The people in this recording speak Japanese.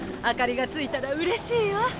明かりがついたらうれしいわ。